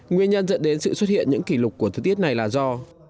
nguyên nhân dẫn đến sự xuất hiện những kỷ lục của thời tiết này là do